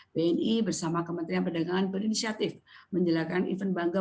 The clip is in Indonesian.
bni bersama kementerian perdagangan berinisiatif menjalankan event bangga